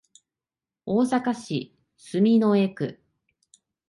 大阪市住之江区